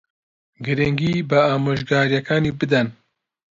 گرنگی بە ئامۆژگارییەکانی بدەن.